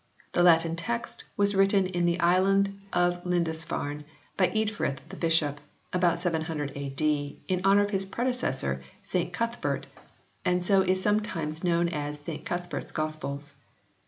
The Latin text was written in the island of Lindisfarne by Eadfrith the bishop, about 700 A.D. in honour of his predecessor St Cuthbert, and so is sometimes known as St Cuth bert s Gospels.